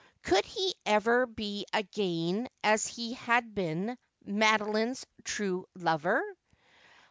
Could he ever be .Tgain as he had been, Madoline's true lover?